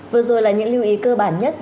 vừa rồi là những lưu ý cơ bản nhất